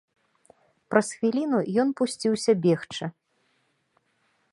Праз хвіліну ён пусціўся бегчы.